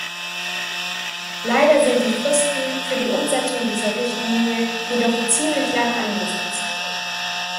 Leider sind die Fristen für die Umsetzung dieser Richtlinie jedoch ziemlich lang angesetzt.